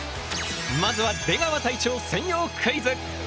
まずは出川隊長専用クイズ！